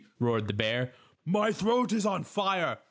roared the bear. "My throat is on fire!